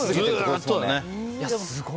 すごい。